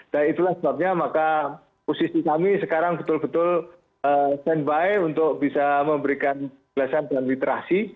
dan itulah sebabnya maka posisi kami sekarang betul betul standby untuk bisa memberikan kelesan dan literasi